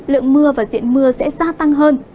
lượng mưa và diện mưa sẽ gia tăng hơn